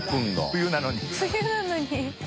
冬なのに。